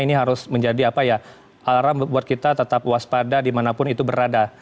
ini harus menjadi apa ya alaran buat kita tetap waspada dimanapun itu berada